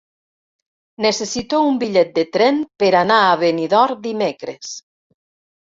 Necessito un bitllet de tren per anar a Benidorm dimecres.